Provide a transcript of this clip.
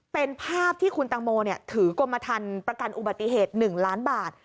เป็นภาพที่คุณตังโมถือกรมทันประกันอุบัติเหตุ๑ล้านบาท